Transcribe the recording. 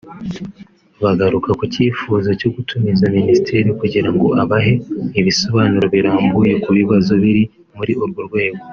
bagarukaga ku cyifuzo cyo gutumiza Minisitiri kugira ngo abahe ibisobanuro birambuye ku bibazo biri muri urwo rwego